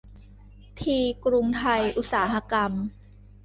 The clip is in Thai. ที กรุงไทยอุตสาหกรรม